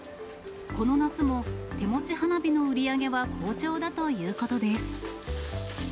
この夏も、手持ち花火の売り上げは好調だということです。